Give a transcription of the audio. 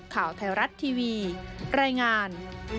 ข่าวไทยรัฐทีวีรายงาน